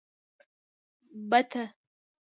🪿بته